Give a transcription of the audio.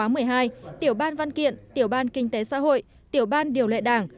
tổng bí thư tiểu ban văn kiện tiểu ban kinh tế xã hội tiểu ban điều lệ đảng